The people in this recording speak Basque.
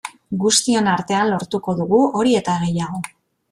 Guztion artean lortuko dugu hori eta gehiago.